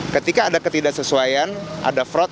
ketika ada ketidaksesuaian ada fraud